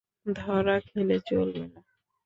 ধরা খেলে চলবে না।